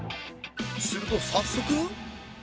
すると早速